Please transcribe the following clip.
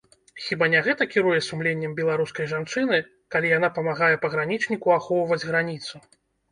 Хіба не гэта кіруе сумленнем беларускай жанчыны, калі яна памагае пагранічніку ахоўваць граніцу?